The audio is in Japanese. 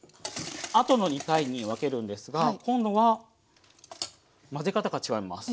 あとの２回に分けるんですが今度は混ぜ方が違います。